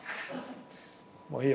もういいよ。